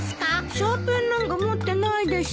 シャーペンなんか持ってないでしょ。